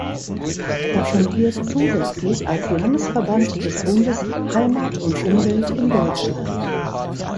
Er fungiert zusätzlich als Landesverband des Bundes Heimat und Umwelt in Deutschland.